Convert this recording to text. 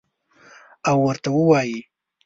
او ورته ووایي: